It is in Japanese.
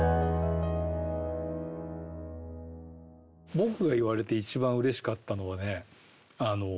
僕が言われて一番うれしかったのはね